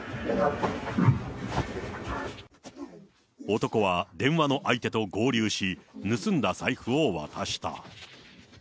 男は電話の相手と合流し、盗んだ財布を渡した。